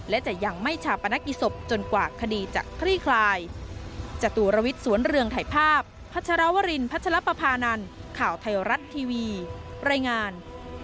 และจะยังไม่ชาปนกิจศพจนกว่าคดีจะคลี่คลาย